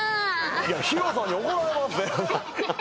ＨＩＲＯさんに怒られまっせ。